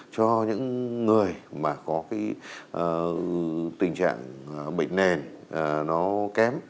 cho những người mà có cái tình trạng bệnh nền nó kém